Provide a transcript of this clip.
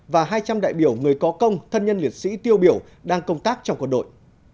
và hai trăm linh đại biểu người có công thân nhân liệt sĩ tiêu biểu đang công tác trong quân đội